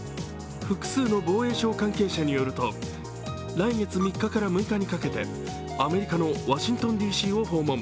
複数の防衛省関係者によると、来月３日から６日にかけてアメリカのワシントンＤＣを訪問。